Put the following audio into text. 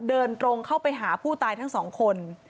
เดินตรงเข้าไปหาผู้ตายทั้งสองคน